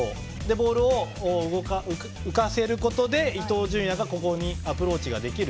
ボールを浮かせることで伊東純也がここにアプローチができる。